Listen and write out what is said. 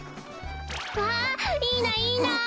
わあいいないいな。